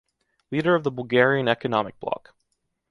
Leader of the Bulgarian economic block.